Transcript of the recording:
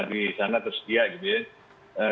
di sana tersedia gitu ya